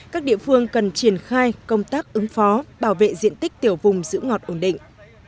các địa phương cần triển khai công tác ứng phó bảo vệ diện tích tiểu vùng giữ ngọt ổn định